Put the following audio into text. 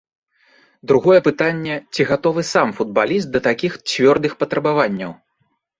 Другое пытанне, ці гатовы сам футбаліст да такіх цвёрдых патрабаванняў.